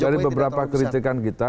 dari beberapa kritikan kita